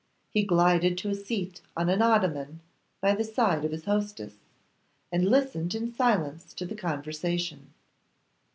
He glided to a seat on an ottoman, by the side of his hostess, and listened in silence to the conversation.